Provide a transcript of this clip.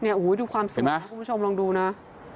นี่โอ้โฮดูความสูงนะคุณผู้ชมลองดูนะเห็นไหม